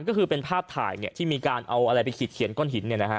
ก็คือเป็นภาพถ่ายที่มีการเอาอะไรไปขีดเขียนก้อนหิน